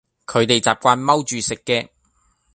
佢哋習慣踎住食嘅